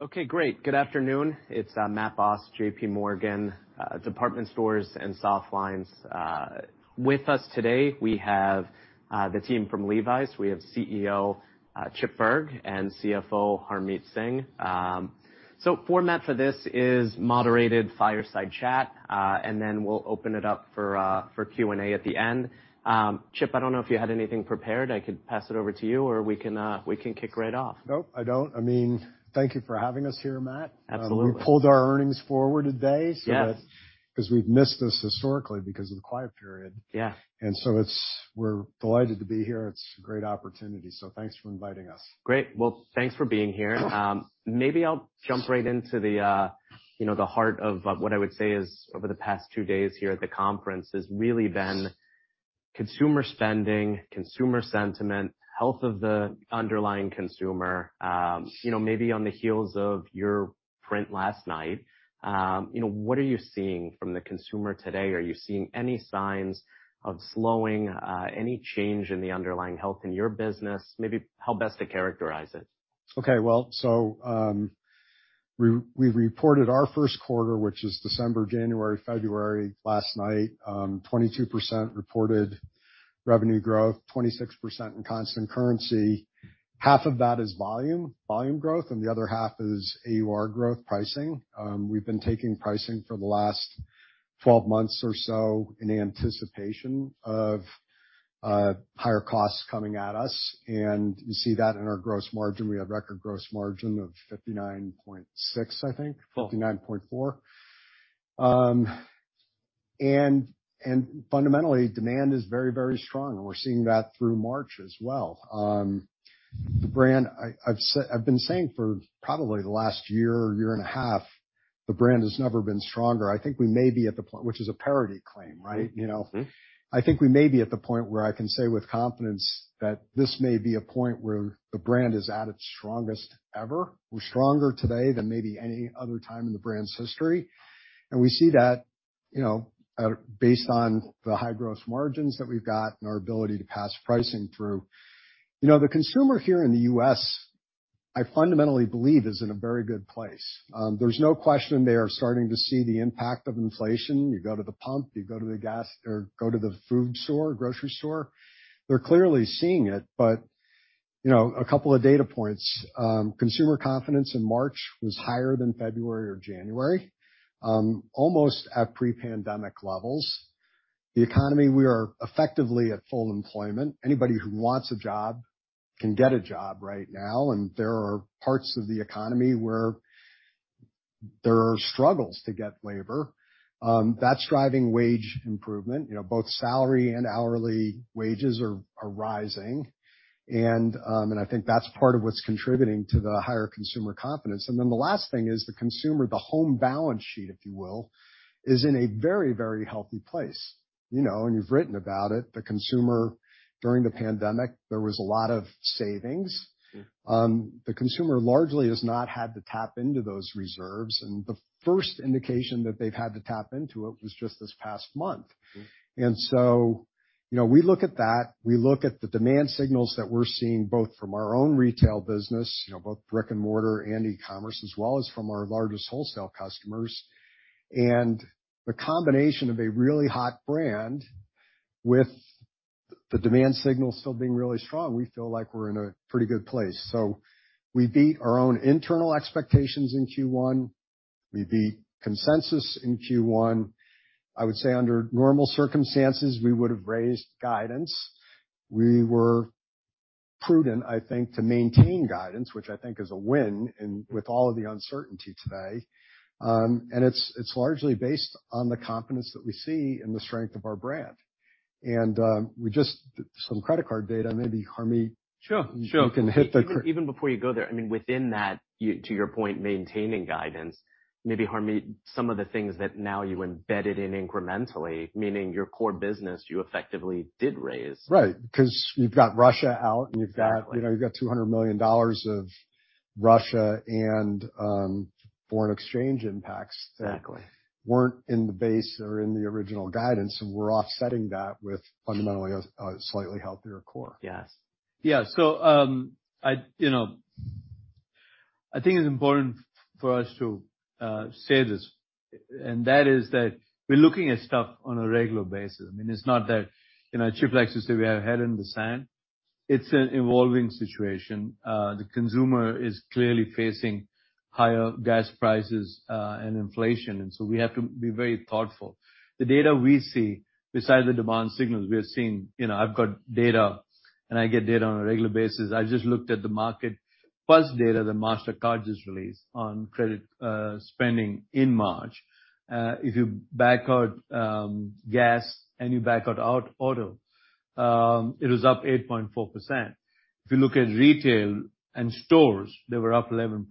Okay, great. Good afternoon. It's Matthew Boss, J.P. Morgan, department stores and soft lines. With us today, we have the team from Levi's. We have CEO Chip Bergh, and CFO Harmit Singh. So format for this is moderated fireside chat, and then we'll open it up for Q&A at the end. Chip, I don't know if you had anything prepared. I could pass it over to you or we can kick right off. Nope, I don't. I mean, thank you for having us here, Matt. Absolutely. We pulled our earnings forward today. Yes. 'Cause we've missed this historically because of the quiet period. Yeah. We're delighted to be here. It's a great opportunity, so thanks for inviting us. Great. Well, thanks for being here. Maybe I'll jump right into the the heart of what I would say is over the past two days here at the conference has really been consumer spending, consumer sentiment, health of the underlying consumer. maybe on the heels of your print last night what are you seeing from the consumer today? Are you seeing any signs of slowing, any change in the underlying health in your business? Maybe how best to characterize it. Okay. Well, we reported our Q1, which is December, January, February, last night, 22% reported revenue growth, 26% in constant currency. Half of that is volume growth, and the other half is AUR growth pricing. We've been taking pricing for the last 12 months or so in anticipation of higher costs coming at us, and you see that in our gross margin. We have record gross margin of 59.6, I think. Fifty. 59.4%. Fundamentally, demand is very, very strong. We're seeing that through March as well. The brand. I've been saying for probably the last year and a half, the brand has never been stronger. I think we may be at the point which is a parity claim, right? Mm-hmm. I think we may be at the point where I can say with confidence that this may be a point where the brand is at its strongest ever. We're stronger today than maybe any other time in the brand's history. We see that based on the high gross margins that we've got and our ability to pass pricing through. the consumer here in the U.S., I fundamentally believe is in a very good place. There's no question they are starting to see the impact of inflation. You go to the pump, you go to the gas or go to the food store, grocery store, they're clearly seeing it. a couple of data points. Consumer confidence in March was higher than February or January, almost at pre-pandemic levels. The economy, we are effectively at full employment. Anybody who wants a job can get a job right now, and there are parts of the economy where there are struggles to get labor. That's driving wage improvement. both salary and hourly wages are rising. I think that's part of what's contributing to the higher consumer confidence. The last thing is the consumer, the household balance sheet, if you will, is in a very, very healthy place. and you've written about it. The consumer during the pandemic, there was a lot of savings. The consumer largely has not had to tap into those reserves. The first indication that they've had to tap into it was just this past month. Mm-hmm. You we look at that, we look at the demand signals that we're seeing both from our own retail business, both brick and mortar and e-commerce, as well as from our largest wholesale customers. The combination of a really hot brand with the demand signal still being really strong, we feel like we're in a pretty good place. We beat our own internal expectations in Q1. We beat consensus in Q1. I would say under normal circumstances, we would have raised guidance. We were prudent, I think, to maintain guidance, which I think is a win, with all of the uncertainty today. It's largely based on the confidence that we see in the strength of our brand. We just some credit card data, maybe Harmit. Sure. Sure. You can hit the cr- Even before you go there, I mean, within that, to your point, maintaining guidance, maybe Harmit, some of the things that now you embedded in incrementally, meaning your core business, you effectively did raise. Right. 'Cause you've got Russia out, and you've got- Exactly. you've got $200 million of Russia and foreign exchange impacts that Exactly. weren't in the base or in the original guidance. We're offsetting that with fundamentally a slightly healthier core. Yes. Yeah. I think it's important for us to say this, and that is that we're looking at stuff on a regular basis. I mean, it's not that Chip likes to say we have our head in the sand. It's an evolving situation. The consumer is clearly facing higher gas prices, and inflation, and so we have to be very thoughtful. The data we see, besides the demand signals, we are seeing,, I've got data, and I get data on a regular basis. I just looked at the market pulse data that Mastercard just released on credit, spending in March. If you back out gas and you back out auto, it was up 8.4%. If you look at retail and stores, they were up 11%.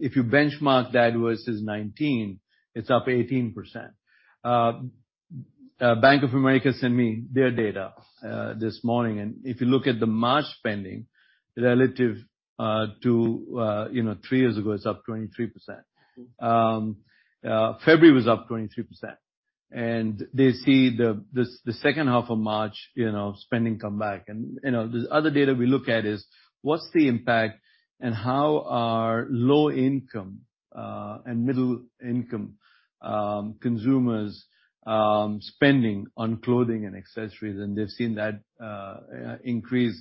If you benchmark that versus 2019, it's up 18%. Bank of America sent me their data this morning, and if you look at the March spending relative to three years ago, it's up 23%. February was up 23%. They see the H2 of March spending come back. The other data we look at is what's the impact and how are low-income and middle-income consumers spending on clothing and accessories, and they've seen that increase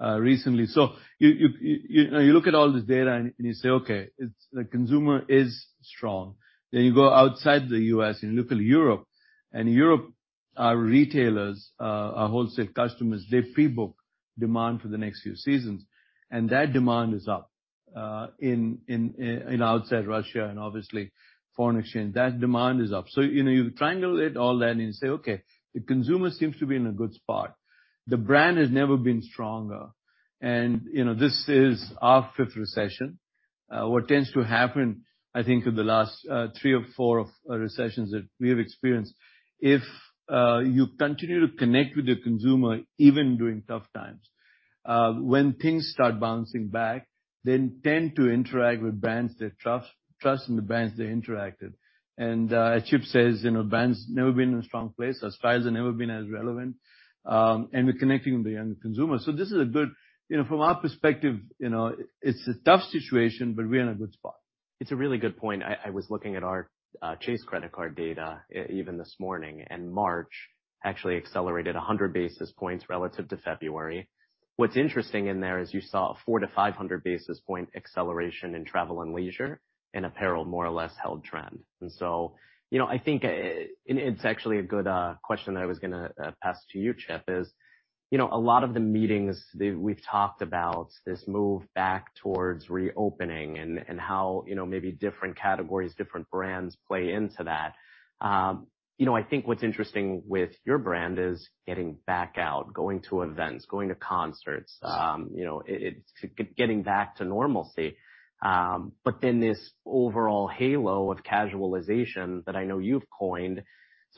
recently. you look at all this data and you say, "Okay, it's the consumer is strong." You go outside the U.S. and you look at Europe, and in Europe, our retailers, our wholesale customers, they pre-book demand for the next few seasons, and that demand is up in Europe outside Russia, and obviously foreign exchange. That demand is up. you triangulate it all in and say, "Okay, the consumer seems to be in a good spot." The brand has never been stronger. this is our fifth recession. What tends to happen, I think, in the last three or four of recessions that we have experienced, if you continue to connect with the consumer, even during tough times, when things start bouncing back, they tend to interact with brands they trust in the brands they interacted. As Chip says brand's never been in a strong place. Our styles have never been as relevant, and we're connecting with the young consumer. This is a good from our perspective it's a tough situation, but we're in a good spot. It's a really good point. I was looking at our Chase credit card data even this morning, and March actually accelerated 100 basis points relative to February. What's interesting in there is you saw a 400-500 basis point acceleration in travel and leisure and apparel more or less held trend. I think, and it's actually a good question that I was gonna pass to you, Chip, is a lot of the meetings we've talked about this move back towards reopening and how, you maybe different categories, different brands play into that. I think what's interesting with your brand is getting back out, going to events, going to concerts. it's getting back to normalcy. But then this overall halo of casualization that I know you've coined.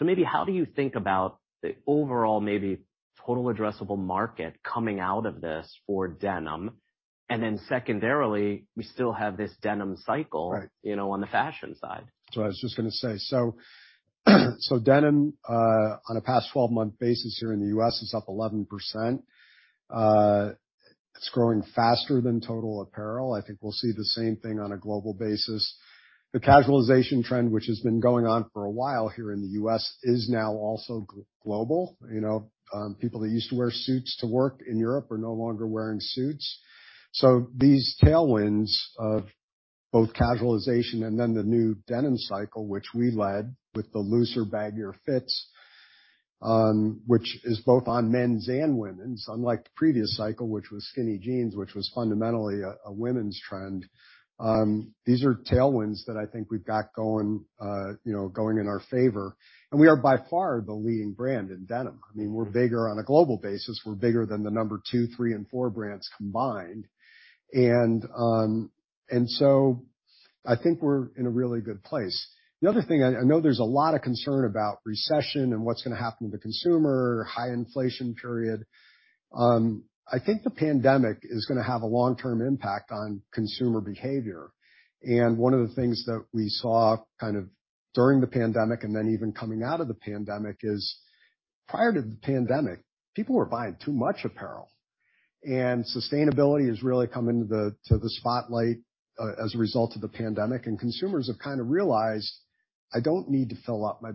Maybe how do you think about the overall maybe total addressable market coming out of this for denim? Secondarily, we still have this denim cycle- Right. on the fashion side. Denim on a past 12-month basis here in the U.S. is up 11%. It's growing faster than total apparel. I think we'll see the same thing on a global basis. The casualization trend, which has been going on for a while here in the U.S., is now also global. People that used to wear suits to work in Europe are no longer wearing suits. These tailwinds of both casualization and then the new denim cycle, which we led with the looser, baggier fits, which is both on men's and women's, unlike the previous cycle, which was skinny jeans, which was fundamentally a women's trend. These are tailwinds that I think we've got going in our favor. We are by far the leading brand in denim. I mean, we're bigger on a global basis. We're bigger than the number two, three, and four brands combined. I think we're in a really good place. The other thing, I know there's a lot of concern about recession and what's gonna happen to the consumer, high inflation period. I think the pandemic is gonna have a long-term impact on consumer behavior. One of the things that we saw kind of during the pandemic and then even coming out of the pandemic is prior to the pandemic, people were buying too much apparel. Sustainability has really come into the spotlight as a result of the pandemic. Consumers have kinda realized, I don't need to fill up my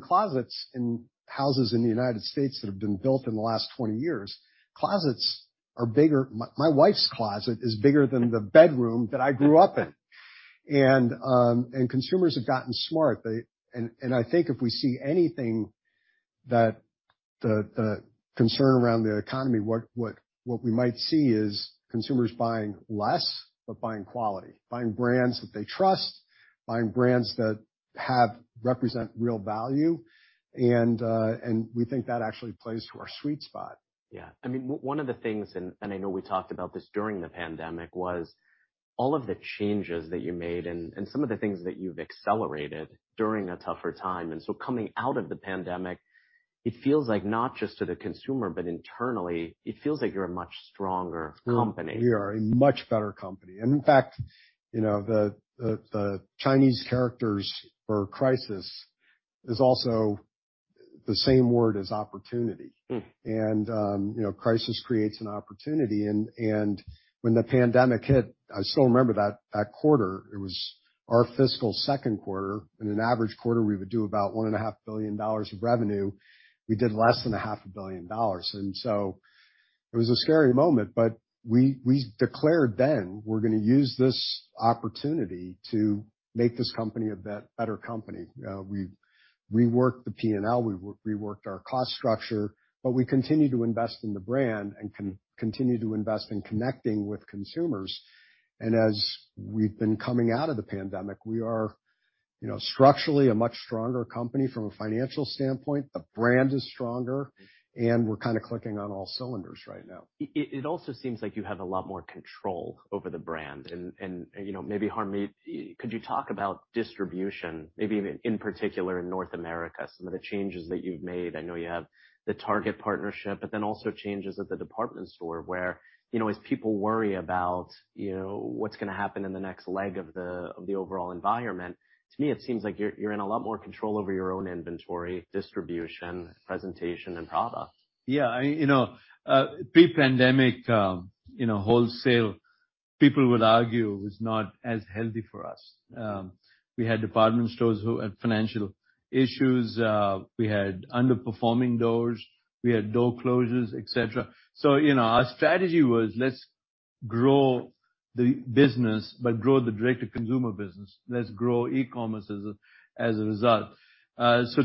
closets in houses in the United States that have been built in the last 20 years, closets are bigger. My wife's closet is bigger than the bedroom that I grew up in. Consumers have gotten smart. I think if we see anything that the concern around the economy, what we might see is consumers buying less, but buying quality. Buying brands that they trust, buying brands that represent real value, and we think that actually plays to our sweet spot. Yeah. I mean, one of the things, and I know we talked about this during the pandemic, was all of the changes that you made and some of the things that you've accelerated during a tougher time. Coming out of the pandemic, it feels like not just to the consumer, but internally, it feels like you're a much stronger company. We are a much better company. In fact the Chinese characters for crisis is also the same word as opportunity. Mm. Crisis creates an opportunity. When the pandemic hit, I still remember that quarter, it was our fiscal Q2. In an average quarter, we would do about $1.5 billion of revenue. We did less than $0.5 billion. It was a scary moment, but we declared then we're gonna use this opportunity to make this company a better company. We've reworked the P&L, we reworked our cost structure, but we continued to invest in the brand and continue to invest in connecting with consumers. As we've been coming out of the pandemic, we are structurally a much stronger company from a financial standpoint. The brand is stronger, and we're kinda clicking on all cylinders right now. It also seems like you have a lot more control over the brand. maybe, Harmit, could you talk about distribution, maybe even in particular in North America, some of the changes that you've made. I know you have the Target partnership, but then also changes at the department store, where as people worry about what's gonna happen in the next leg of the overall environment. To me, it seems like you're in a lot more control over your own inventory, distribution, presentation, and product. Yeah. pre-pandemic wholesale. People would argue it was not as healthy for us. We had department stores who had financial issues. We had underperforming doors. We had door closures, et cetera. our strategy was let's grow the business, but grow the direct-to-consumer business. Let's grow e-commerce as a result.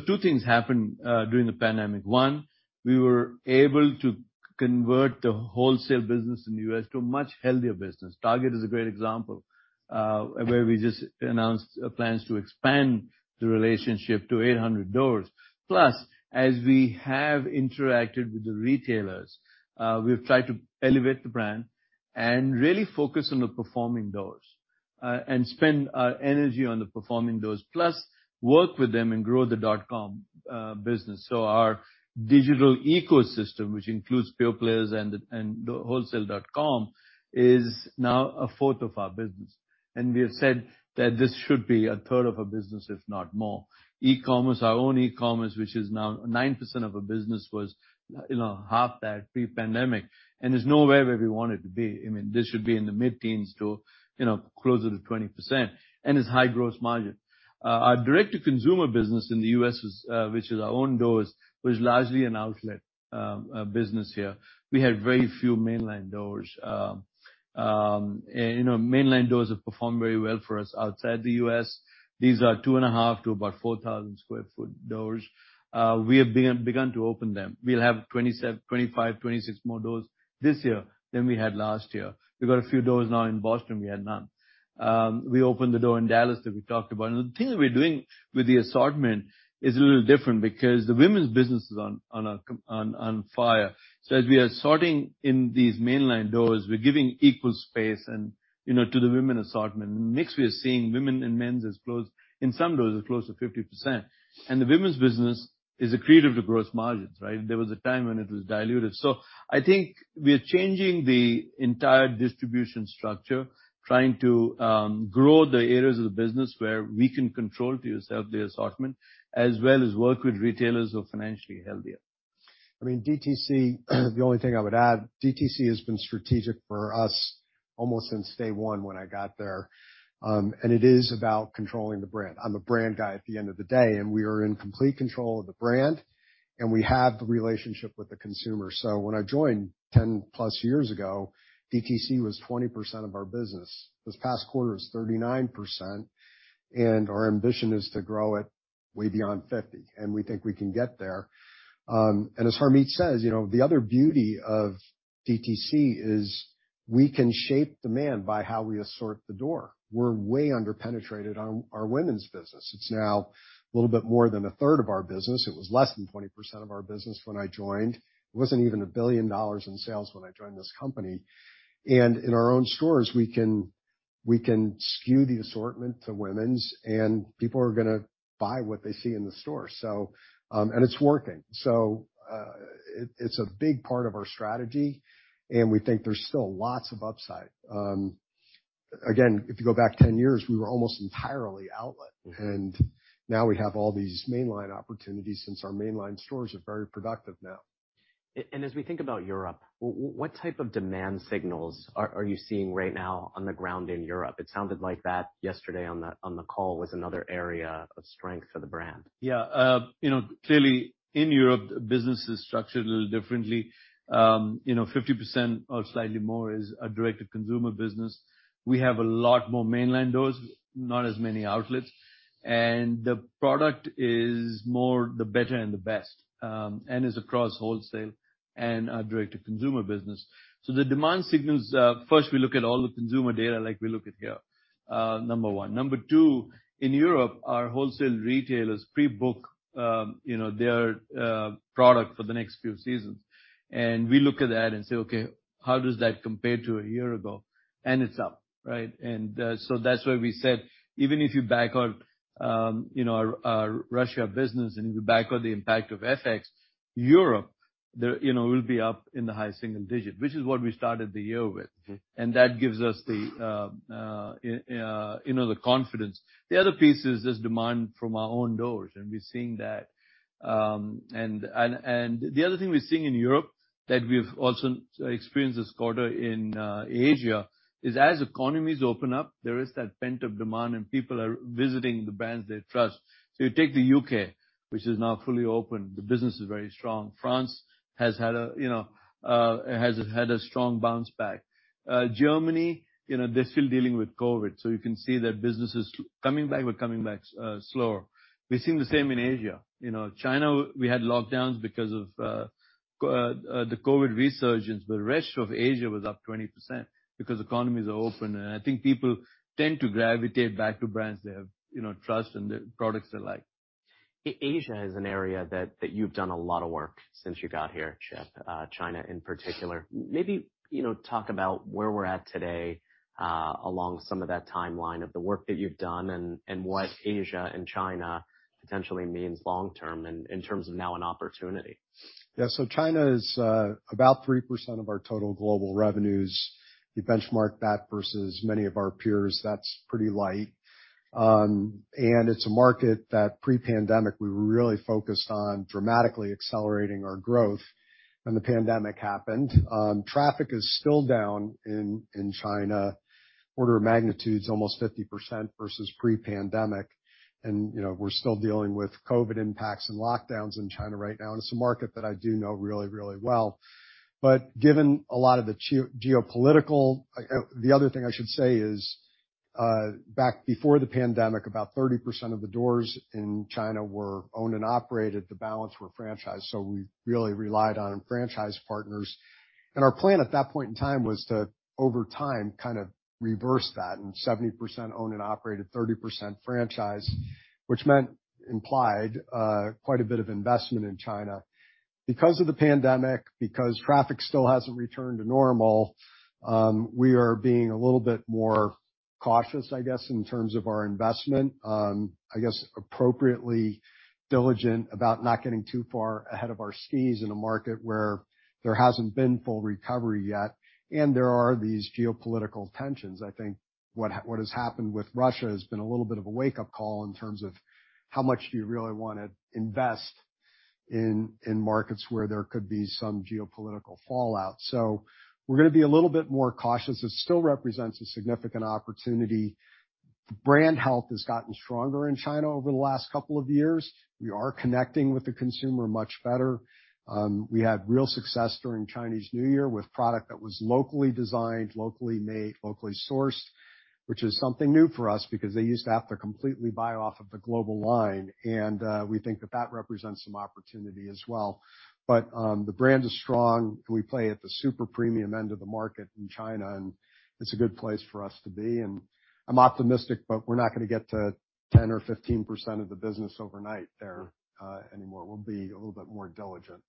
Two things happened during the pandemic. One, we were able to convert the wholesale business in the U.S. to a much healthier business. Target is a great example, where we just announced plans to expand the relationship to 800 doors. Plus, as we have interacted with the retailers, we've tried to elevate the brand and really focus on the performing doors, and spend our energy on the performing doors, plus work with them and grow the dot-com business. Our digital ecosystem, which includes Pure Players and wholesale.com, is now a fourth of our business. We have said that this should be a third of our business, if not more. E-commerce, our own e-commerce, which is now 9% of our business, was half that pre-pandemic, and is nowhere where we want it to be. I mean, this should be in the mid-teens to, closer to 20%. It's high gross margin. Our direct-to-consumer business in the U.S. is, which is our own doors, was largely an outlet business here. We had very few mainline doors. mainline doors have performed very well for us outside the U.S. These are 2.5 to about 4,000 sq ft doors. We have begun to open them. We'll have 25, 26 more doors this year than we had last year. We've got a few doors now in Boston. We had none. We opened the door in Dallas that we talked about. The thing that we're doing with the assortment is a little different because the women's business is on fire. As we are sorting in these mainline doors, we're giving equal space and to the women assortment. The mix we are seeing women and men's is close, in some doors is close to 50%. The women's business is accretive to gross margins, right? There was a time when it was diluted. I think we are changing the entire distribution structure, trying to grow the areas of the business where we can control to have the assortment, as well as work with retailers who are financially healthier. I mean, DTC, the only thing I would add, DTC has been strategic for us almost since day one when I got there. It is about controlling the brand. I'm a brand guy at the end of the day, and we are in complete control of the brand, and we have the relationship with the consumer. When I joined 10+ years ago, DTC was 20% of our business. This past quarter is 39%, and our ambition is to grow it way beyond 50, and we think we can get there. As Harmit says the other beauty of DTC is we can shape demand by how we assort the door. We're way under-penetrated on our women's business. It's now a little bit more than a third of our business. It was less than 20% of our business when I joined. It wasn't even $1 billion in sales when I joined this company. In our own stores, we can skew the assortment to women's and people are gonna buy what they see in the store. It's working. It's a big part of our strategy, and we think there's still lots of upside. Again, if you go back 10 years, we were almost entirely outlet, and now we have all these mainline opportunities since our mainline stores are very productive now. As we think about Europe, what type of demand signals are you seeing right now on the ground in Europe? It sounded like that yesterday on the call was another area of strength for the brand. Yeah.clearly in Europe, business is structured a little differently. 50% or slightly more is a direct-to-consumer business. We have a lot more mainline doors, not as many outlets, and the product is more the better and the best, and is across wholesale and our direct-to-consumer business. The demand signals, first we look at all the consumer data like we look at here, number one. Number two, in Europe, our wholesale retailers pre-book their product for the next few seasons. We look at that and say, okay, how does that compare to a year ago? It's up, right? That's why we said even if you back out our Russia business and you back out the impact of FX, Europe the will be up in the high single digit, which is what we started the year with. Mm-hmm. That gives us the confidence. The other piece is just demand from our own doors, and we're seeing that. The other thing we're seeing in Europe that we've also experienced this quarter in Asia is as economies open up, there is that pent-up demand and people are visiting the brands they trust. You take the U.K., which is now fully open, the business is very strong. France has had a strong bounce back. Germany they're still dealing with COVID, so you can see that business is coming back, but slower. We've seen the same in Asia. China, we had lockdowns because of the COVID resurgence, but the rest of Asia was up 20% because economies are open, and I think people tend to gravitate back to brands they havetrust and the products they like. Asia is an area that you've done a lot of work since you got here, Chip, China in particular. Maybe talk about where we're at today, along some of that timeline of the work that you've done and what Asia and China potentially means long term and in terms of now an opportunity. Yeah. China is about 3% of our total global revenues. You benchmark that versus many of our peers. That's pretty light. It's a market that pre-pandemic, we really focused on dramatically accelerating our growth. When the pandemic happened, traffic is still down in China. Order of magnitude is almost 50% versus pre-pandemic. we're still dealing with COVID impacts and lockdowns in China right now, and it's a market that I do know really, really well. The other thing I should say is, back before the pandemic, about 30% of the doors in China were owned and operated. The balance were franchised. We really relied on franchised partners. Our plan at that point in time was to, over time, kind of reverse that and 70% owned and operated, 30% franchise, which implied quite a bit of investment in China. Because of the pandemic, because traffic still hasn't returned to normal, we are being a little bit more cautious, I guess, in terms of our investment. I guess appropriately diligent about not getting too far ahead of our skis in a market where there hasn't been full recovery yet, and there are these geopolitical tensions. I think what has happened with Russia has been a little bit of a wake-up call in terms of how much do you really wanna invest in markets where there could be some geopolitical fallout. We're gonna be a little bit more cautious. It still represents a significant opportunity. Brand health has gotten stronger in China over the last couple of years. We are connecting with the consumer much better. We had real success during Chinese New Year with product that was locally designed, locally made, locally sourced, which is something new for us because they used to have to completely buy off of the global line. We think that represents some opportunity as well. The brand is strong. We play at the super premium end of the market in China, and it's a good place for us to be. I'm optimistic, but we're not gonna get to 10% or 15% of the business overnight there, anymore. We'll be a little bit more diligent.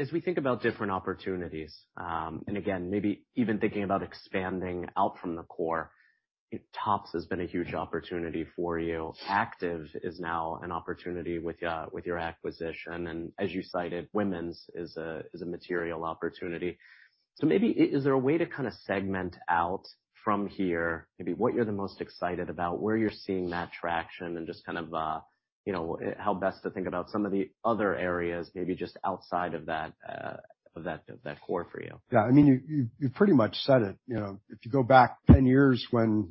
As we think about different opportunities, and again, maybe even thinking about expanding out from the core, tops has been a huge opportunity for you. Active is now an opportunity with your acquisition, and as you cited, women's is a material opportunity. Maybe is there a way to kinda segment out from here maybe what you're the most excited about, where you're seeing that traction and just kind of how best to think about some of the other areas, maybe just outside of that, of that core for you? Yeah, I mean, you pretty much said it. IF you go back nine years, when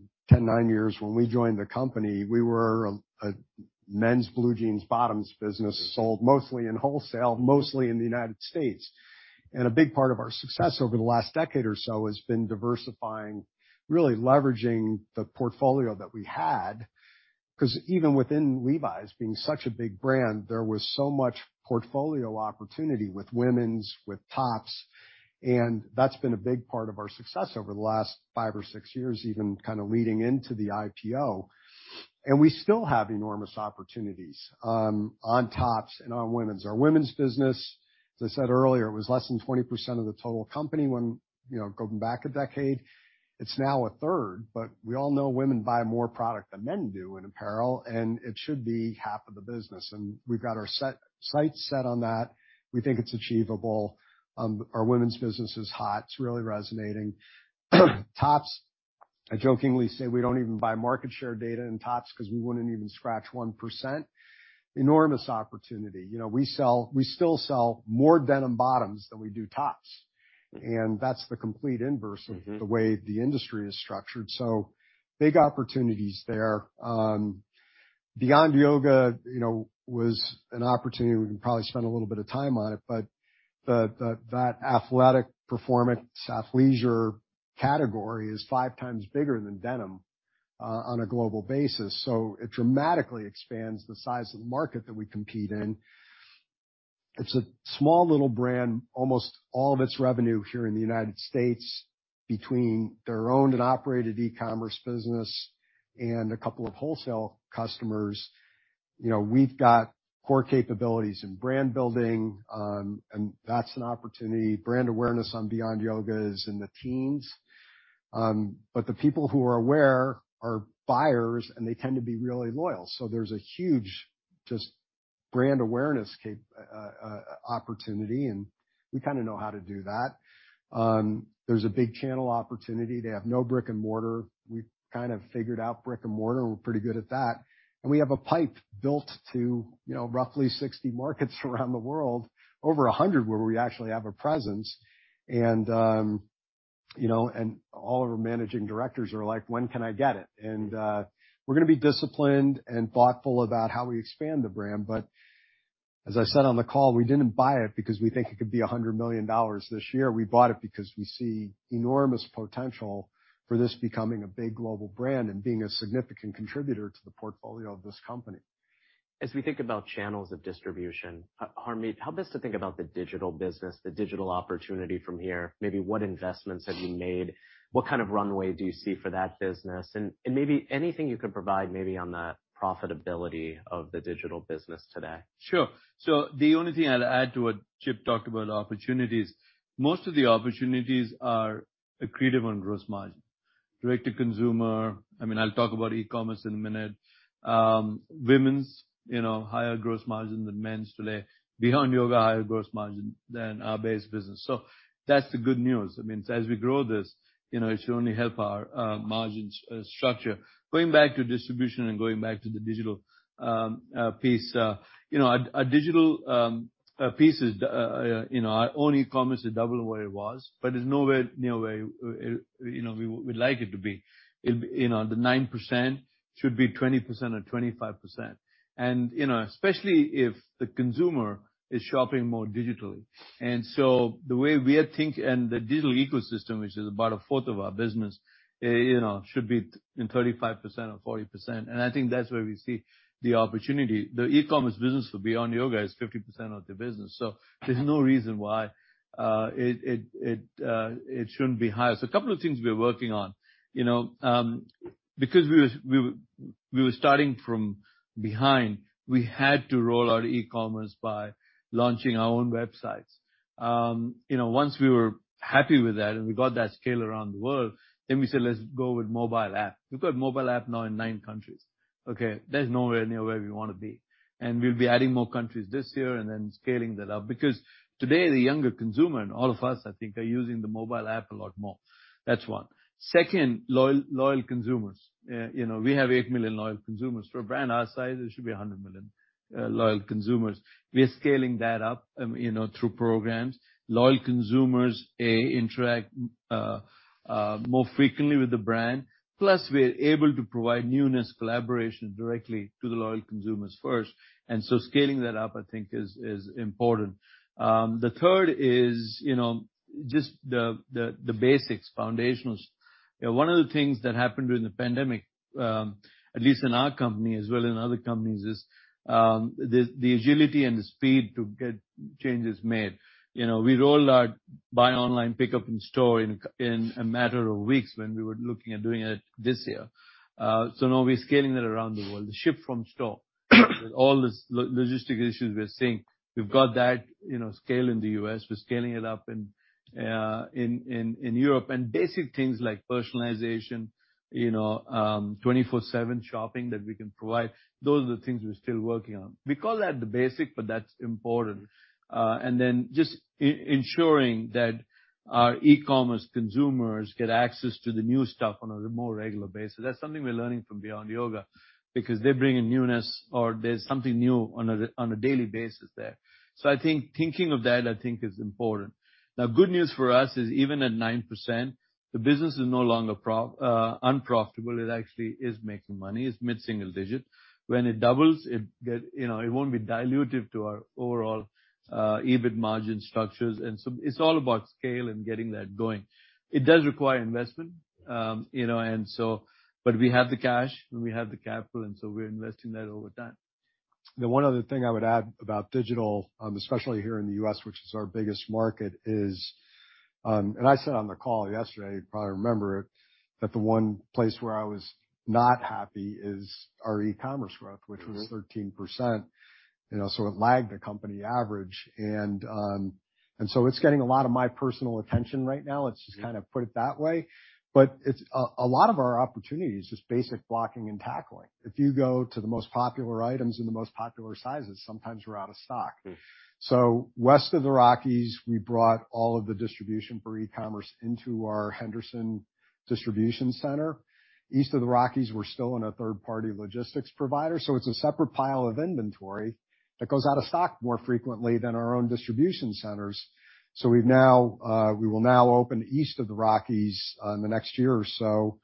we joined the company, we were a men's blue jeans bottoms business sold mostly in wholesale, mostly in the United States. A big part of our success over the last decade or so has been diversifying, really leveraging the portfolio that we had, 'cause even within Levi's being such a big brand, there was so much portfolio opportunity with women's, with tops, and that's been a big part of our success over the last five or six years, even kind of leading into the IPO. We still have enormous opportunities on tops and on women's. Our women's business, as I said earlier, was less than 20% of the total company when going back a decade. It's now a third, but we all know women buy more product than men do in apparel, and it should be half of the business. We've got our sights set on that. We think it's achievable. Our women's business is hot. It's really resonating. Tops, I jokingly say we don't even buy market share data in tops 'cause we wouldn't even scratch 1%. Enormous opportunity. we still sell more denim bottoms than we do tops, and that's the complete inverse of the way the industry is structured. Big opportunities there. Beyond Yoga was an opportunity. We can probably spend a little bit of time on it, but that athletic performance athleisure category is five times bigger than denim on a global basis. It dramatically expands the size of the market that we compete in. It's a small little brand, almost all of its revenue here in the United States between their owned and operated e-commerce business and a couple of wholesale customers. we've got core capabilities in brand building, and that's an opportunity. Brand awareness on Beyond Yoga is in the teens. The people who are aware are buyers, and they tend to be really loyal. There's a huge brand awareness opportunity, and we kinda know how to do that. There's a big channel opportunity. They have no brick and mortar. We've kind of figured out brick and mortar. We're pretty good at that. We have a pipeline built to roughly 60 markets around the world, over 100 where we actually have a presence. and all of our managing directors are like, "When can I get it?" We're gonna be disciplined and thoughtful about how we expand the brand. As I said on the call, we didn't buy it because we think it could be $100 million this year. We bought it because we see enormous potential for this becoming a big global brand and being a significant contributor to the portfolio of this company. As we think about channels of distribution, Harmit, help us to think about the digital business, the digital opportunity from here. Maybe what investments have you made, what kind of runway do you see for that business? Maybe anything you could provide maybe on the profitability of the digital business today. Sure. The only thing I'll add to what Chip talked about opportunities, most of the opportunities are accretive on gross margin. Direct to consumer, I mean, I'll talk about e-commerce in a minute. Women's higher gross margin than men's today. Beyond Yoga, higher gross margin than our base business. That's the good news. I mean, as we grow this, it should only help our margins structure. Going back to distribution and going back to the digital piece. our digital piece is, our own e-commerce is double what it was, but it's nowhere near where we'd like it to be. the 9% should be 20% or 25%. especially if the consumer is shopping more digitally. The way we are and the digital ecosystem, which is about a fourth of our business should be in 35% or 40%. I think that's where we see the opportunity. The e-commerce business for Beyond Yoga is 50% of the business, so there's no reason why it shouldn't be higher. A couple of things we're working on. because we were starting from behind, we had to roll out e-commerce by launching our own websites. once we were happy with that and we got that scale around the world, then we said, "Let's go with mobile app." We've got mobile app now in nine countries. Okay, that is nowhere near where we wanna be. We'll be adding more countries this year and then scaling that up. Because today, the younger consumer and all of us, I think, are using the mobile app a lot more. That's one. Second, loyal consumers. we have 8 million loyal consumers. For a brand our size, it should be 100 million loyal consumers. We are scaling that up, through programs. Loyal consumers, A, interact more frequently with the brand, plus we're able to provide newness collaboration directly to the loyal consumers first. Scaling that up, I think, is important. The third is just the basics, foundationals. One of the things that happened during the pandemic, at least in our company, as well in other companies, is the agility and the speed to get changes made. We rolled out buy online, pickup in store in a matter of weeks when we were looking at doing it this year. Now we're scaling that around the world. The ship from store. With all the logistic issues we're seeing, we've got that scale in the U.S. We're scaling it up in Europe. Basic things like personalization 24/7 shopping that we can provide. Those are the things we're still working on. We call that the basic, but that's important. Then just ensuring that our e-commerce consumers get access to the new stuff on a more regular basis. That's something we're learning from Beyond Yoga because they're bringing newness or there's something new on a daily basis there. I think thinking of that is important. Now, good news for us is even at 9%, the business is no longer unprofitable. It actually is making money. It's mid-single digit. When it doubles, it get it won't be dilutive to our overall EBIT margin structures. It's all about scale and getting that going. It does require investment, and so. We have the cash, and we have the capital, and so we're investing that over time. The one other thing I would add about digital, especially here in the U.S., which is our biggest market, is, and I said on the call yesterday, you probably remember it, that the one place where I was not happy is our e-commerce growth. Mm-hmm. Which was 13%. You knoo it lagged the company average. It's getting a lot of my personal attention right now. Mm-hmm. Let's just kinda put it that way. It's a lot of our opportunity is just basic blocking and tackling. If you go to the most popular items and the most popular sizes, sometimes we're out of stock. Mm. West of the Rockies, we brought all of the distribution for e-commerce into our Henderson distribution center. East of the Rockies, we're still in a third-party logistics provider, so it's a separate pile of inventory that goes out of stock more frequently than our own distribution centers. We will now open east of the Rockies in the next year or so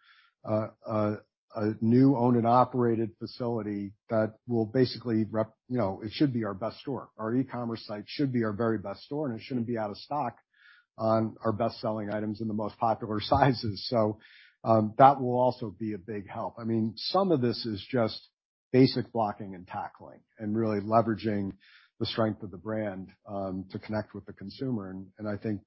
a new owned and operated facility. It should be our best store. Our e-commerce site should be our very best store, and it shouldn't be out of stock on our best-selling items in the most popular sizes. That will also be a big help. I mean, some of this is just basic blocking and tackling and really leveraging the strength of the brand to connect with the consumer. I think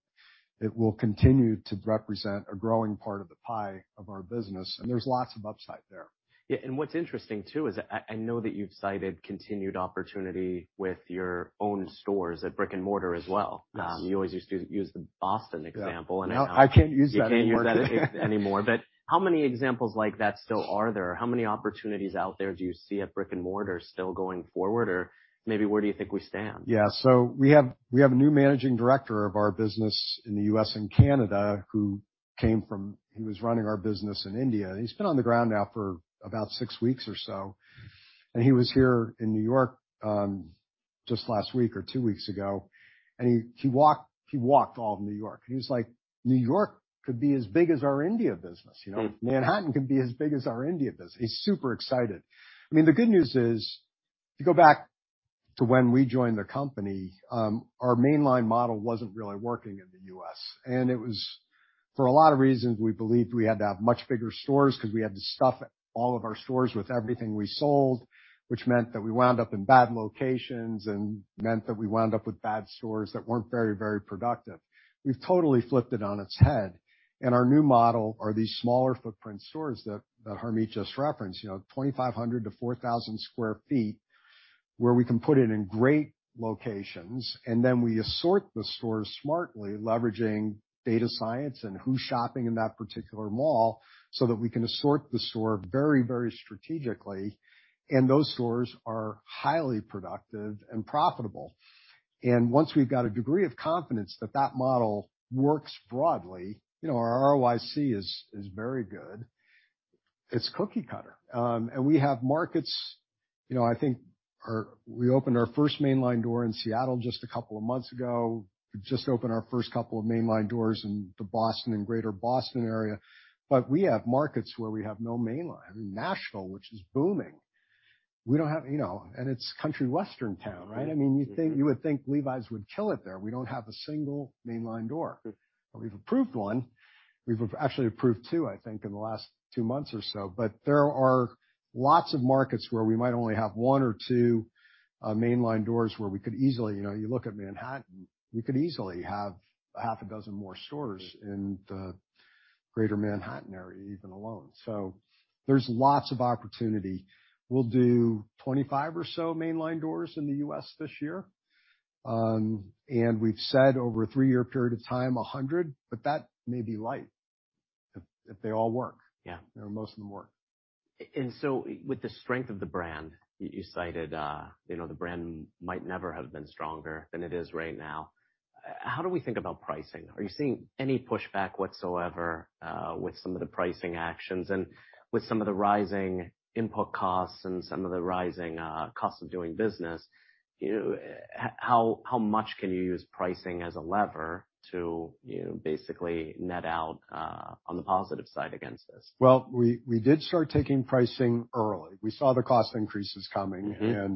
it will continue to represent a growing part of the pie of our business, and there's lots of upside there. Yeah. What's interesting too is I know that you've cited continued opportunity with your own stores at brick-and-mortar as well. Yes. You always used to use the Boston example. Yeah. No, I can't use that anymore. You can't use that X anymore. How many examples like that still are there? How many opportunities out there do you see at brick-and-mortar still going forward, or maybe where do you think we stand? Yeah. We have a new managing director of our business in the U.S. and Canada who came from. He was running our business in India, and he's been on the ground now for about six weeks or so. Mm-hmm. He was here in New York, just last week or two weeks ago, and he walked all of New York. He was like, "New York could be as big as our India business? Mm. Manhattan could be as big as our India business." He's super excited. I mean, the good news is, if you go back to when we joined the company, our mainline model wasn't really working in the U.S., and it was for a lot of reasons. We believed we had to have much bigger stores 'cause we had to stuff all of our stores with everything we sold, which meant that we wound up in bad locations and meant that we wound up with bad stores that weren't very, very productive. We've totally flipped it on its head. Our new model is these smaller footprint stores that Harmeet just referenced 2,500-4,000 sq ft, where we can put it in great locations, and then we assort the stores smartly, leveraging data science and who's shopping in that particular mall, so that we can assort the store very, very strategically. Those stores are highly productive and profitable. Once we've got a degree of confidence that that model works broadly our ROIC is very good. It's cookie cutter. We have markets. I think we opened our first mainline door in Seattle just a couple of months ago. We just opened our first couple of mainline doors in the Boston and Greater Boston area. We have markets where we have no mainline. I mean, Nashville, which is booming, we don't have and it's country western town, right? I mean, you would think Levi's would kill it there. We don't have a single mainline door. We've approved one. We've actually approved two, I think, in the last two months or so. There are lots of markets where we might only have one or two mainline doors where we could easily. You look at Manhattan, we could easily have half a dozen more stores in the greater Manhattan area even alone. There's lots of opportunity. We'll do 25 or so mainline doors in the U.S. this year. We've said over a three-year period of time, 100, but that may be light if they all work. Yeah. Most of them work. With the strength of the brand, you cited, you know the brand might never have been stronger than it is right now. How do we think about pricing? Are you seeing any pushback whatsoever with some of the pricing actions? With some of the rising input costs and some of the rising cost of doing business, how much can you use pricing as a lever to basically net out on the positive side against this? Well, we did start taking pricing early. We saw the cost increases coming. Mm-hmm.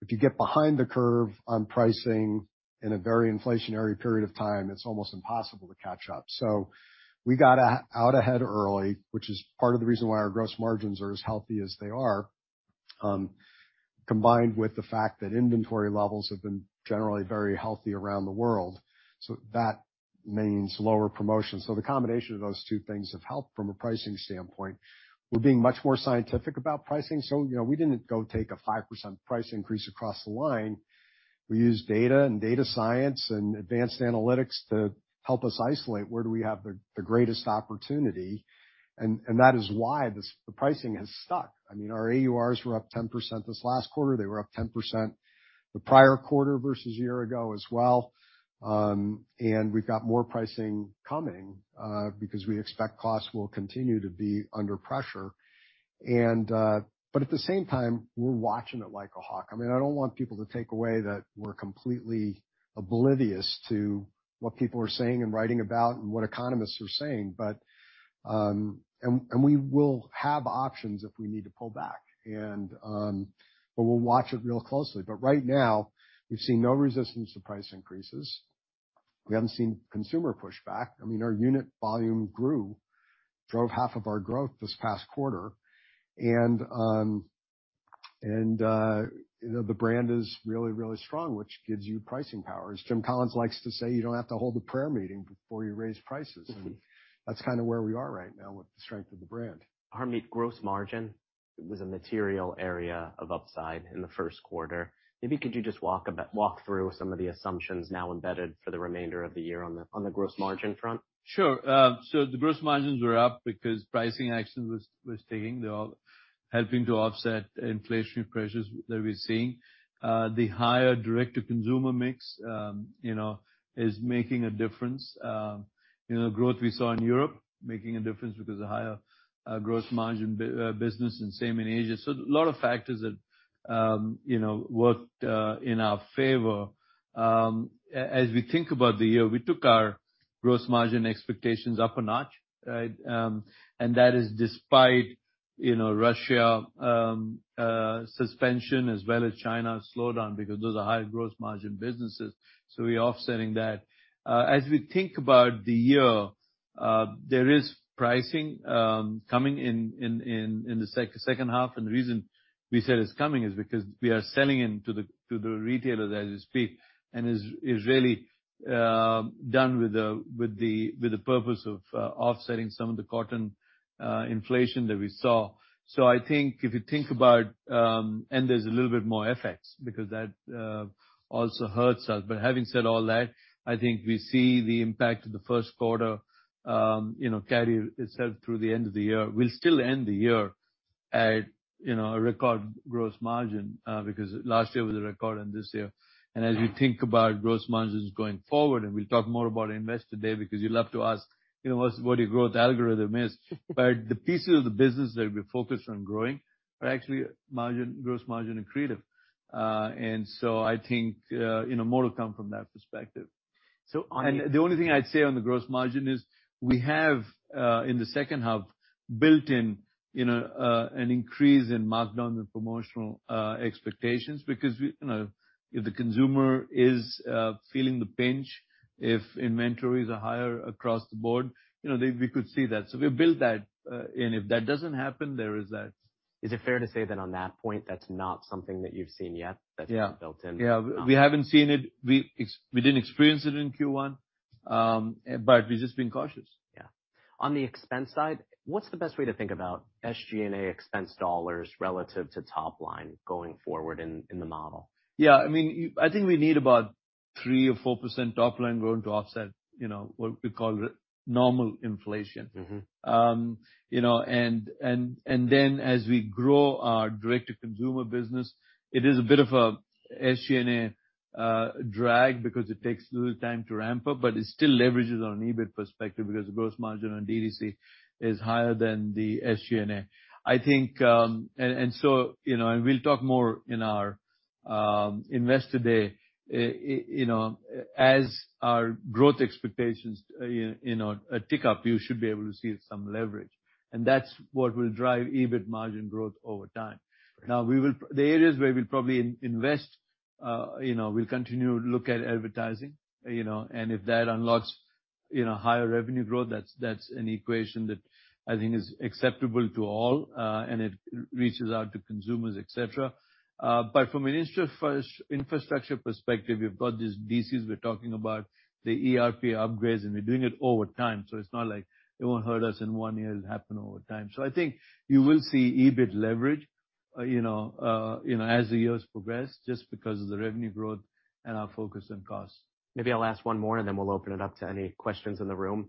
If you get behind the curve on pricing in a very inflationary period of time, it's almost impossible to catch up. We got out ahead early, which is part of the reason why our gross margins are as healthy as they are, combined with the fact that inventory levels have been generally very healthy around the world, so that means lower promotion. The combination of those two things have helped from a pricing standpoint. We're being much more scientific about pricing, so, we didn't go take a 5% price increase across the line. We used data and data science and advanced analytics to help us isolate where do we have the greatest opportunity. That is why the pricing has stuck. I mean, our AURs were up 10% this last quarter. They were up 10% the prior quarter versus year ago as well. We've got more pricing coming because we expect costs will continue to be under pressure. At the same time, we're watching it like a hawk. I mean, I don't want people to take away that we're completely oblivious to what people are saying and writing about and what economists are saying. We will have options if we need to pull back. We'll watch it real closely. Right now, we've seen no resistance to price increases. We haven't seen consumer pushback. I mean, our unit volume grew, drove half of our growth this past quarter. The brand is really strong, which gives you pricing power. As Jim Collins likes to say, "You don't have to hold a prayer meeting before you raise prices. Mm-hmm. That's kinda where we are right now with the strength of the brand. Harmit, gross margin was a material area of upside in the Q1. Maybe could you just walk through some of the assumptions now embedded for the remainder of the year on the gross margin front? Sure. The gross margins were up because pricing action was taking. They're all helping to offset inflationary pressures that we're seeing. The higher direct-to-consumer mix is making a difference. Growth we saw in Europe making a difference because of higher gross margin business and same in Asia. A lot of factors that, worked in our favor. As we think about the year, we took our gross margin expectations up a notch, right? That is despite Russia suspension as well as China slowdown because those are high gross margin businesses, so we're offsetting that. As we think about the year, there is pricing coming in the H2, and the reason we said it's coming is because we are selling into the retailers as we speak, and is really done with the purpose of offsetting some of the cotton inflation that we saw. I think if you think about, there's a little bit more effects because that also hurts us. Having said all that, I think we see the impact of the Q1 carry itself through the end of the year. We'll still end the year at a record gross margin, because last year was a record and this year. As we think about gross margins going forward, and we'll talk more about Investor Day because you love to ask what your growth algorithm is. The pieces of the business that we're focused on growing are actually margin, gross margin and creative. I think more will come from that perspective. So on- The only thing I'd say on the gross margin is we have in the second half built in an increase in markdown and promotional expectations because we if the consumer is feeling the pinch, if inventories are higher across the board we could see that. We built that. If that doesn't happen, there is that. Is it fair to say that on that point, that's not something that you've seen yet that's been built in? Yeah. We haven't seen it. We didn't experience it in Q1, but we're just being cautious. Yeah. On the expense side, what's the best way to think about SG&A expense dollars relative to top line going forward in the model? Yeah. I mean, I think we need about 3 or 4% top line going to offset what we call normal inflation. Mm-hmm. As we grow our direct-to-consumer business, it is a bit of a SG&A drag because it takes a little time to ramp up, but it still leverages on an EBIT perspective because the gross margin on D2C is higher than the SG&A. I think we'll talk more in our Investor Day, as our growth expectations, tick up, you should be able to see some leverage. That's what will drive EBIT margin growth over time. Now, the areas where we'll probably invest we'll continue to look at advertising and if that unlocks, higher revenue growth, that's an equation that I think is acceptable to all, and it reaches out to consumers, et cetera. From an infrastructure perspective, we've got these DCs we're talking about, the ERP upgrades, and we're doing it over time. It's not like it won't hurt us in one year. It'll happen over time. I think you will see EBIT leverage you k as the years progress, just because of the revenue growth and our focus on costs. Maybe I'll ask one more, and then we'll open it up to any questions in the room.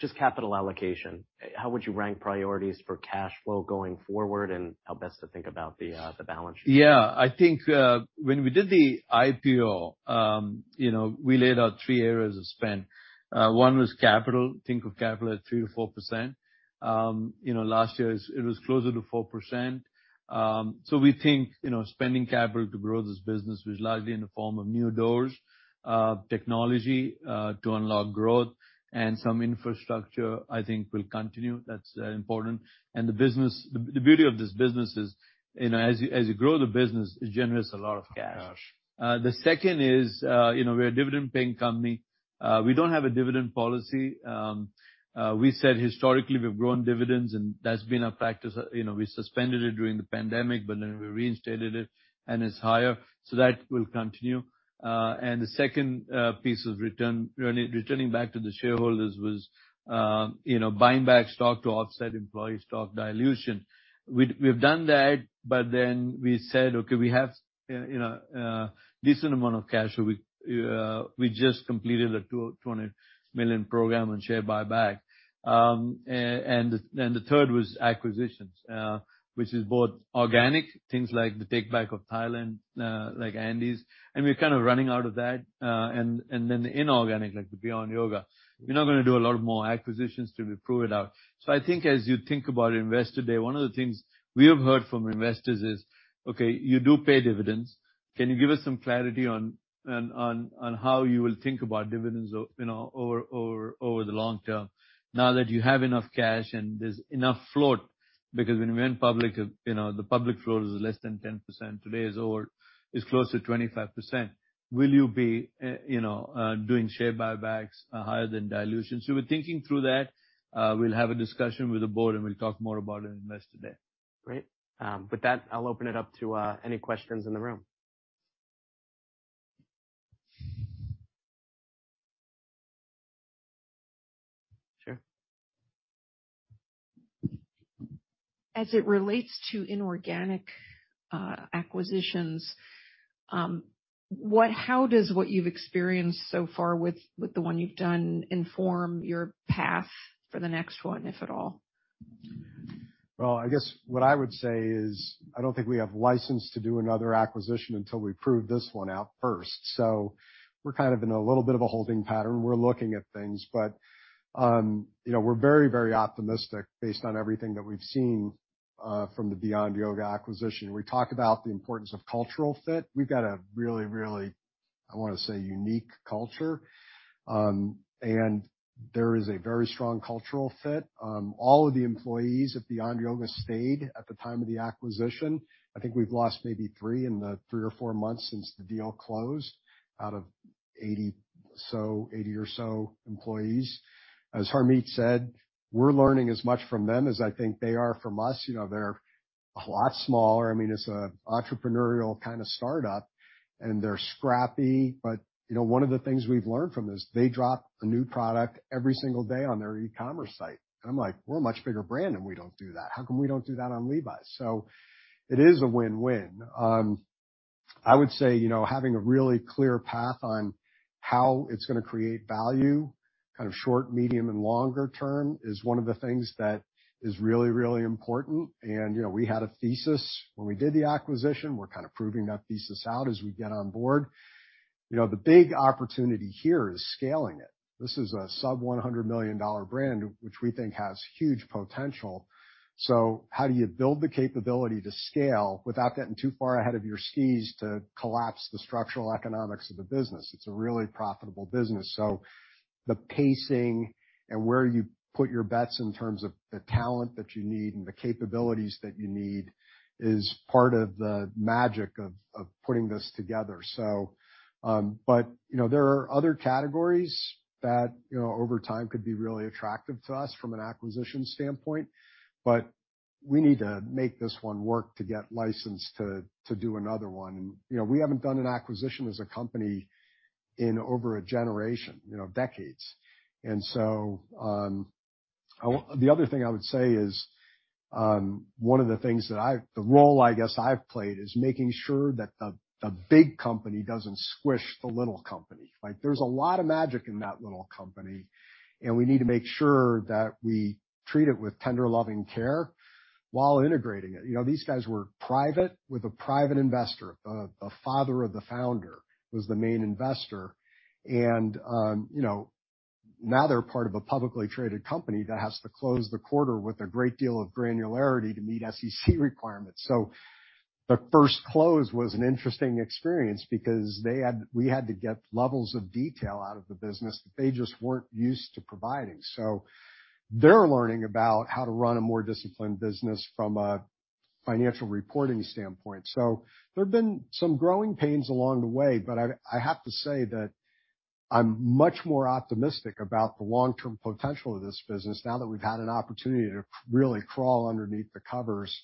Just capital allocation. How would you rank priorities for cash flow going forward and how best to think about the balance sheet? Yeah. I think when we did the IPO we laid out three areas of spend. One was capital. Think of capital at 3%-4%. Last year it was closer to 4%. We think spending capital to grow this business was largely in the form of new doors, technology, to unlock growth and some infrastructure I think will continue. That's important. The business, the beauty of this business is as you grow the business, it generates a lot of cash. The second is we're a dividend-paying company. We don't have a dividend policy. We said historically, we've grown dividends, and that's been our practice. We suspended it during the pandemic, but then we reinstated it, and it's higher. That will continue. The second piece of return, returning back to the shareholders was, buying back stock to offset employee stock dilution. We've done that, but then we said, okay, we have a decent amount of cash. We just completed a $200 million program on share buyback. The third was acquisitions, which is both organic, things like the take back of Thailand, like Denizen. We're kind of running out of that. The inorganic, like the Beyond Yoga. We're not going to do a lot more acquisitions till we prove it out. I think as you think about Investor Day, one of the things we have heard from investors is, okay, you do pay dividends. Can you give us some clarity on how you will think about dividends, over the long term now that you have enough cash and there's enough float? Because when you went public the public float was less than 10%. Today, it's close to 25%. Will you be doing share buybacks higher than dilution? We're thinking through that. We'll have a discussion with the board, and we'll talk more about it at Investor Day. Great. With that, I'll open it up to any questions in the room. Sure. As it relates to inorganic acquisitions, how does what you've experienced so far with the one you've done inform your path for the next one, if at all? Well, I guess what I would say is, I don't think we have license to do another acquisition until we prove this one out first. We're kind of in a little bit of a holding pattern. We're looking at things, but we're very optimistic based on everything that we've seen from the Beyond Yoga acquisition. We talk about the importance of cultural fit. We've got a really unique culture. There is a very strong cultural fit. All of the employees at Beyond Yoga stayed at the time of the acquisition. I think we've lost maybe three in the three or four months since the deal closed out of 80 or so employees. As Harmit said, we're learning as much from them as I think they are from us. They're a lot smaller. I mean, it's an entrepreneurial kind of startup, and they're scrappy. One of the things we've learned from this, they drop a new product every single day on their e-commerce site. I'm like, we're a much bigger brand, and we don't do that. How come we don't do that on Levi's? It is a win-win. I would say having a really clear path on how it's gonna create value, kind of short, medium, and longer term, is one of the things that is really, really important. We had a thesis when we did the acquisition. We're kind of proving that thesis out as we get on board. The big opportunity here is scaling it. This is a sub-$100 million brand, which we think has huge potential. How do you build the capability to scale without getting too far ahead of your skis to collapse the structural economics of the business? It's a really profitable business. The pacing and where you put your bets in terms of the talent that you need and the capabilities that you need is part of the magic of putting this together. there are other categories that over time could be really attractive to us from an acquisition standpoint. We need to make this one work to get licensed to do another one. We haven't done an acquisition as a company in over a generation decades. The other thing I would say is, one of the things that the role I guess I've played, is making sure that the big company doesn't squish the little company. Like, there's a lot of magic in that little company, and we need to make sure that we treat it with tender loving care while integrating it. These guys were private with a private investor. The father of the founder was the main investor. Now they're part of a publicly traded company that has to close the quarter with a great deal of granularity to meet SEC requirements. The first close was an interesting experience because we had to get levels of detail out of the business that they just weren't used to providing. They're learning about how to run a more disciplined business from a financial reporting standpoint. There have been some growing pains along the way, but I have to say that I'm much more optimistic about the long-term potential of this business now that we've had an opportunity to really crawl underneath the covers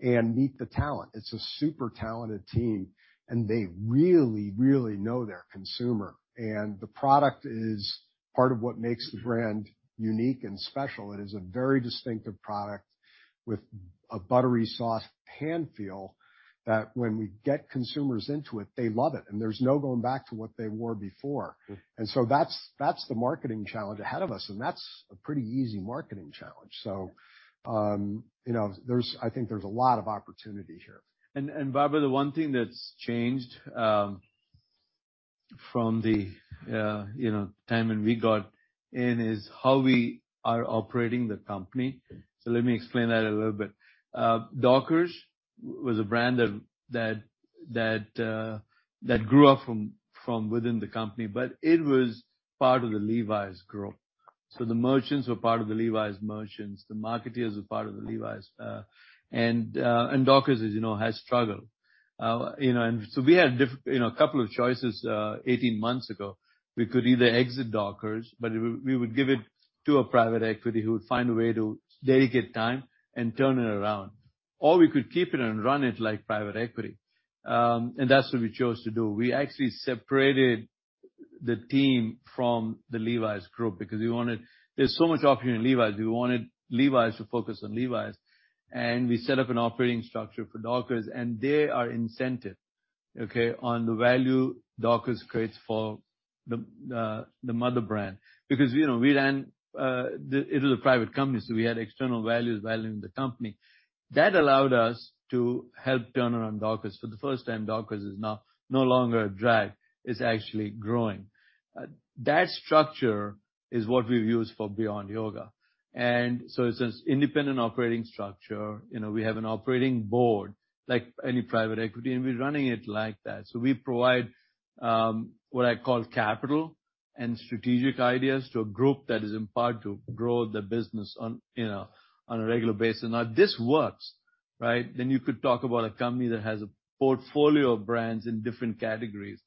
and meet the talent. It's a super talented team, and they really, really know their consumer. The product is part of what makes the brand unique and special. It is a very distinctive product with a buttery soft hand feel that when we get consumers into it, they love it, and there's no going back to what they wore before. That's the marketing challenge ahead of us, and that's a pretty easy marketing challenge. I think there's a lot of opportunity here. Barbara, the one thing that's changed from the timing we got in, is how we are operating the company. Let me explain that a little bit. Dockers was a brand that grew up from within the company, but it was part of the Levi's group. The merchants were part of the Levi's merchants. The marketeers were part of the Levi's. Dockers, as has struggled. We had a couple of choices 18 months ago. We could either exit Dockers, but we would give it to a private equity who would find a way to dedicate time and turn it around. Or we could keep it and run it like private equity. That's what we chose to do. We actually separated the team from the Levi's group because there's so much opportunity in Levi's. We wanted Levi's to focus on Levi's. We set up an operating structure for Dockers, and they are incentivized, okay, on the value Dockers creates for the mother brand. Because we ran it as a private company, so we had external valuations valuing the company. That allowed us to help turn around Dockers. For the first time, Dockers is now no longer a drag. It's actually growing. That structure is what we've used for Beyond Yoga. It's an independent operating structure. We have an operating board like any private equity, and we're running it like that. We provide what I call capital and strategic ideas to a group that is empowered to grow the business on a regular basis. If this works, right, then you could talk about a company that has a portfolio of brands in different categories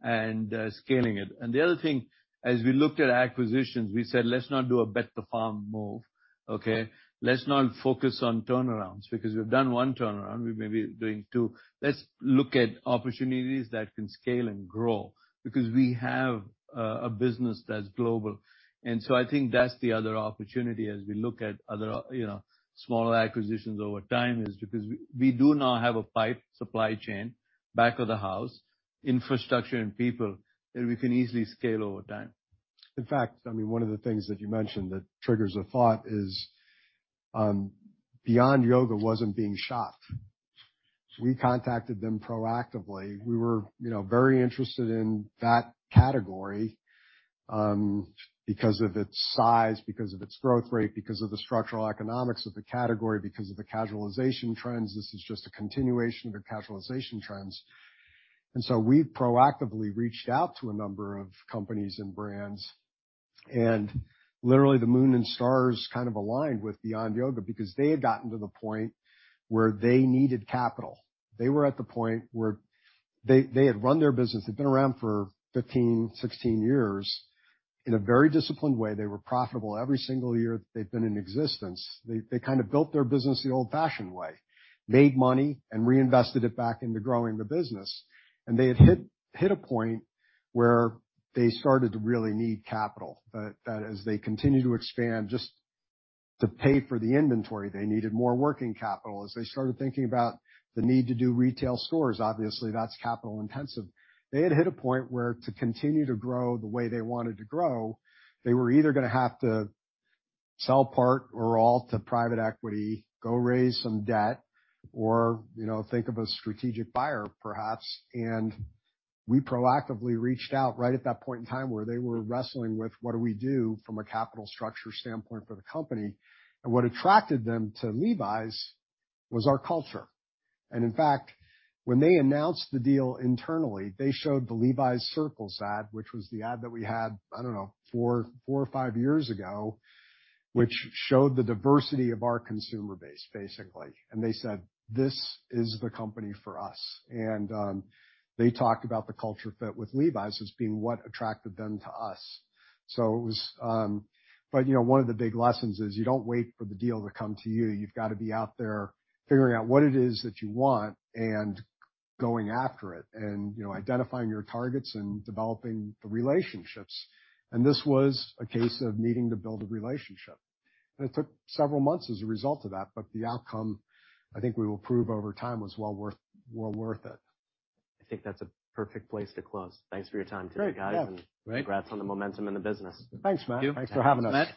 and scaling it. The other thing, as we looked at acquisitions, we said, "Let's not do a bet the farm move." Okay. Let's not focus on turnarounds because we've done one turnaround. We may be doing two. Let's look at opportunities that can scale and grow because we have a business that's global. I think that's the other opportunity as we look at other smaller acquisitions over time is because we do now have a type of supply chain back of the house, infrastructure and people that we can easily scale over time. In fact, I mean, one of the things that you mentioned that triggers a thought is, Beyond Yoga wasn't being shopped. We contacted them proactively. We were very interested in that category, because of its size, because of its growth rate, because of the structural economics of the category, because of the casualization trends. This is just a continuation of the casualization trends. We proactively reached out to a number of companies and brands. Literally, the moon and stars kind of aligned with Beyond Yoga because they had gotten to the point where they needed capital. They were at the point where they had run their business. They'd been around for 15, 16 years in a very disciplined way. They were profitable every single year that they've been in existence. They kind of built their business the old-fashioned way, made money and reinvested it back into growing the business. They had hit a point where they started to really need capital as they continued to expand. Just to pay for the inventory, they needed more working capital. As they started thinking about the need to do retail stores, obviously, that's capital intensive. They had hit a point where to continue to grow the way they wanted to grow, they were either gonna have to sell part or all to private equity, go raise some debt or think of a strategic buyer perhaps. We proactively reached out right at that point in time where they were wrestling with what do we do from a capital structure standpoint for the company. What attracted them to Levi's was our culture. In fact, when they announced the deal internally, they showed the Levi's Circles ad, which was the ad that we had, I don't know, four or five years ago, which showed the diversity of our consumer base, basically. They said, "This is the company for us." They talked about the culture fit with Levi's as being what attracted them to us. It was one of the big lessons is, you don't wait for the deal to come to you. You've got to be out there figuring out what it is that you want and going after it and identifying your targets and developing the relationships. This was a case of needing to build a relationship. It took several months as a result of that, but the outcome, I think we will prove over time, was well worth it. I think that's a perfect place to close. Thanks for your time today, guys. Great. Yeah. Congrats on the momentum in the business. Thanks, Matt. Thank you. Thanks for having us. Great.